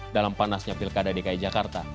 dalam panasnya pilkada dki jakarta